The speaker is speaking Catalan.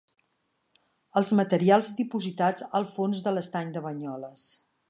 Els materials dipositats al fons de l'estany de Banyoles.